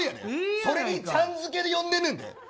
それにちゃん付けで呼んでるんやで。